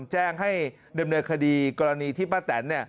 แจ้งให้ดำเนินคดีกรณีที่ป้าแตน